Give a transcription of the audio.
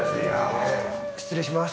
失礼します。